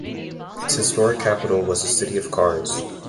Its historic capital was the city of Kars.